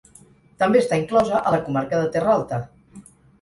També està inclosa a la comarca de Terra Alta.